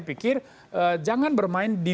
pikir jangan bermain di